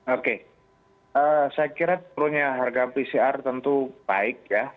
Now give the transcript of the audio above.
oke saya kira turunnya harga pcr tentu baik ya